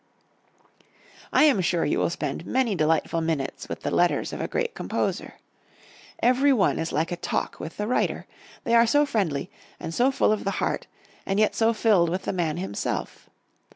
I am sure you will spend many delightful minutes with the Letters of a great composer. Every one is like a talk with the writer. They are so friendly, and so full of the heart, and yet so filled with the man himself.